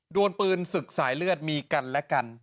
วนปืนศึกสายเลือดมีกันและกัน